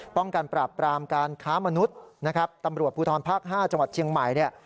ป้องกันปราบปรามการค้ามนุษย์ตำรวจภูทรภักดิ์ห้าจังหวัดเชียงใหม่